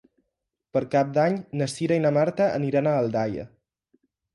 Per Cap d'Any na Cira i na Marta aniran a Aldaia.